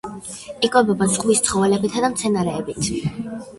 იკვებება ზღვის ცხოველებითა და მცენარეებით.